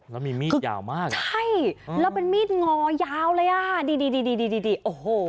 แล้วมีมีดยาวมากใช่แล้วเป็นมีดงอยาวเลยอ่ะดีดีโอ้โห